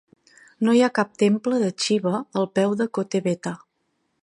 No hi ha cap temple de Xiva al peu de Kotebetta.